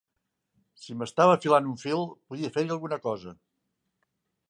Si m'estava filant un fil, podia fer-hi alguna cosa.